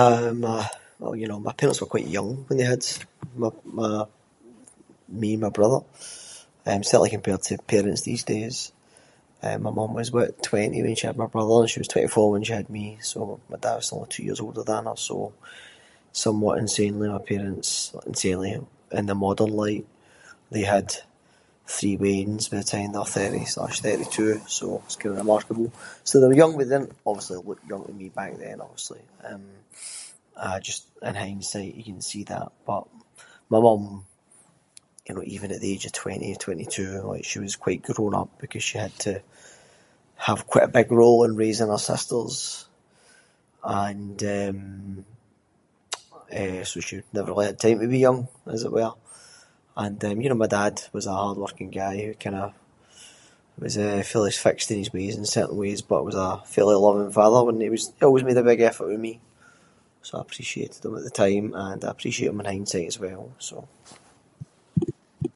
Um well you know, my parents were quite young when they had my- my- me and my brother, eh certainly compared to parents these days. Eh my mum was about twenty when she had my brother, she was twenty-four when she had me, so, my da was only two years older than her, so, somewhat insanely my parents- insanely, in the modern light- they had three weans by the time they were thirty slash thirty-two, so that’s kind of remarkable. So they were young, they didn’t obviously look young to me back then obviously, eh, aye just in hindsight you can see that. But, my mum you know even at the age of twenty, twenty-two like she was quite grown-up because she had to have quite a big role in raising her sisters and eh, so she was never allowed time to be young as it were. And eh, you know my dad was a hard-working guy, he would kind of- was fully fixed in his ways in certain ways, but was a fairly loving father when he was- he always made a big effort with me, so I appreciated him at the time, and I appreciate him in hindsight as well, so.